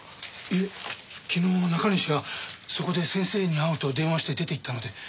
いえ昨日中西がそこで先生に会うと電話して出ていったので。